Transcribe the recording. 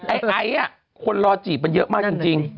ไอ้ไอ๊อ่ะคนรอจีบก็เยอะมากจริง